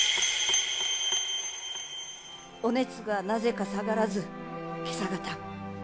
お熱がなぜか下がらず今朝方。